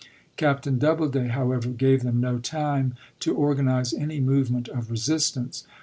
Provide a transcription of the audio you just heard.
Captain Double day, however, gave them no time to organize any movement of resistance.